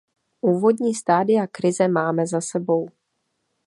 Úvodní stádia krize máme za sebou.